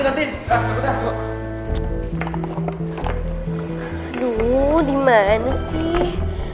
aduh dimana sih